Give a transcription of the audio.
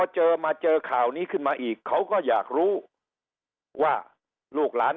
เจอมาเจอข่าวนี้ขึ้นมาอีกเขาก็อยากรู้ว่าลูกหลาน